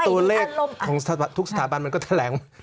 ตัวเลขของทุกสถาบันมันก็แถลง